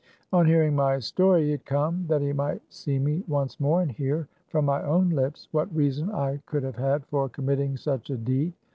On hear ing my story he had come, that he might see me once . more, and hear, from my own lips, what reason I could have had for committing such a deed.